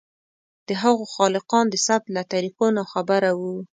د هغو خالقان د ثبت له طریقو ناخبره وو.